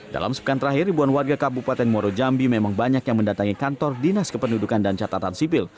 dalam sepekan terakhir ribuan warga kabupaten muaro jambi memang banyak yang mendatangi kantor dinas kependudukan dan catatan sipil